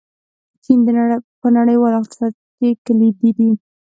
چین په نړیوال اقتصاد کې کلیدي دی.